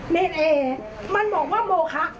เนรเอมันบอกว่าโมคะ